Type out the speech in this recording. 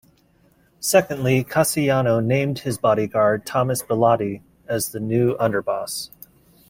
Secondly, Castellano named his bodyguard Thomas Bilotti as the new underboss.